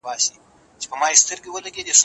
راتلونکې نسلونه به ښه چاپېريال ليدلی وي.